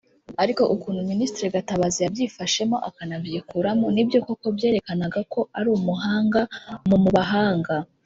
Ariko ukuntu Ministre Gatabazi yabyifashemo akanabyikuramo ni byo koko byerekanaga ko ari umuhanga mu mu bahanga